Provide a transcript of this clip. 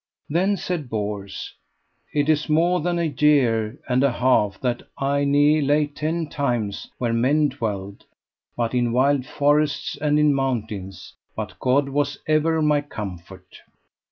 Then said Bors: It is mo than a year and an half that I ne lay ten times where men dwelled, but in wild forests and in mountains, but God was ever my comfort.